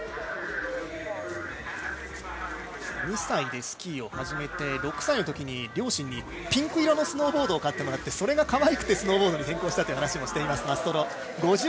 ２歳でスキーを始めて６歳のときに両親にピンク色のスノーボードを買ってもらってそれがかわいくてスノーボードに転向したという話もしているマストロ。